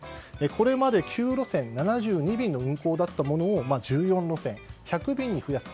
これまで９路線７２便の運行だったものを１４路線１００便に増やす